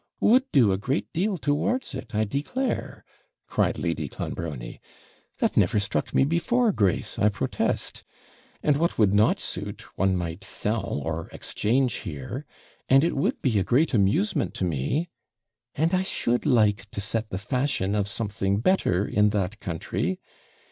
'Would do a great deal towards it, I declare,' cried Lady Clonbrony; 'that never struck me before, Grace, I protest and what would not suit one might sell or exchange here and it would be a great amusement to me and I should like to set the fashion of something better in that country.